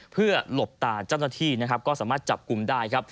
เพื่อหลบตาเจ้าหน้าที่ก็สามารถจับกลุ่มได้